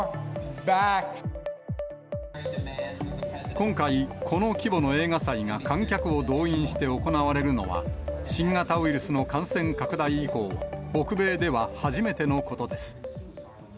今回、この規模の映画祭が観客を動員して行われるのは、新型ウイルスの感染拡大以降、北米では初めてのことです。